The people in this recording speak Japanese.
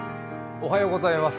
おはようございます。